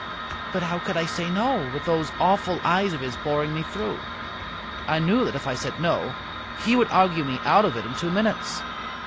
But how could I say 'No!' with those awful eyes of his boring me through? I knew that if I said 'No', he would argue me out of it in two minutes.